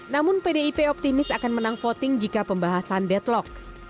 namun pdip optimis akan menang voting jika pembahasan deadlock